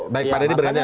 baik pak dedy berkata